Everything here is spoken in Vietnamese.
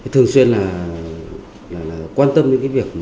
thường xuyên là quan tâm đến cái việc